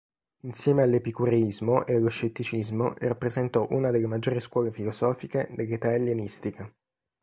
Insieme all'epicureismo e allo scetticismo rappresentò una delle maggiori scuole filosofiche dell'età ellenistica.